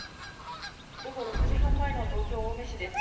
午後６時半前の東京・青梅市です。